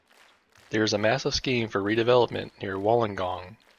There is a massive scheme for redevelopment near Wollongong.